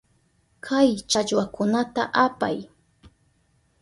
Kay challwakunata apay.